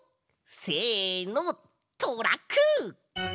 せのトラック！